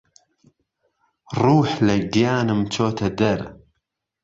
ڕووح له گیانم چۆته دەر